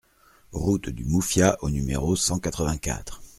Route du Moufia au numéro cent quatre-vingt-quatre